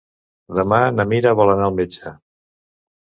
Demà na Mira vol anar al metge.